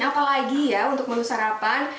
apa lagi ya untuk menu sarapan